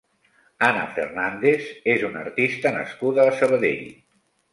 Ana Fernàndez és una artista nascuda a Sabadell.